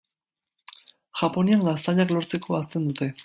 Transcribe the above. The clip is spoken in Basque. Japonian gaztainak lortzeko hazten dute.